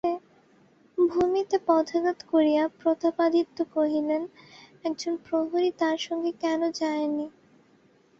ভূমিতে পদাঘাত করিয়া প্রতাপাদিত্য কহিলেন, একজন প্রহরী তাহার সঙ্গে কেন যায় নাই?